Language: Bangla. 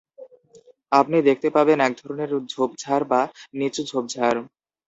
আপনি দেখতে পাবেন এক ধরনের ঝোপঝাড় বা নিচু ঝোপঝাড়।